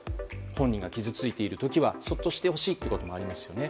本人が傷ついているときはそっとしてほしいこともありますね。